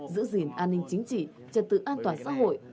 giữ gìn an ninh chính trị trật tự an toàn xã hội